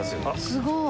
すごい。